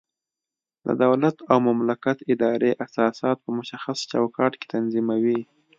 د دولت او مملکت ادارې اساسات په مشخص چوکاټ کې تنظیموي.